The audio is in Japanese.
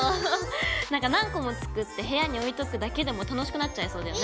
何か何個も作って部屋に置いとくだけでも楽しくなっちゃいそうだよね。